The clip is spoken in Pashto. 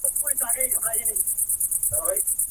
وخت ته خو معلومه ده چي زور د بګړۍ څه وايی !.